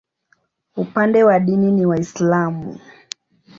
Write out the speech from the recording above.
Upande wa dini ni Waislamu.